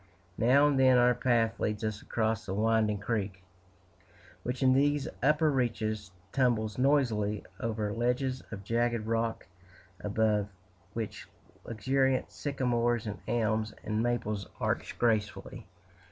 Now and then our path leads us across the winding creek, which in these upper reaches tumbles noisily over ledges of jagged rock, above which luxuriant sycamores, and elms, and maples arch gracefully.